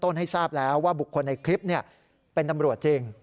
ให้ทราบแล้วว่าบุคคลในคลิปเป็นตำรวจจริง